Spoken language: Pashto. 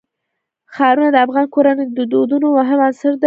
ښارونه د افغان کورنیو د دودونو مهم عنصر دی.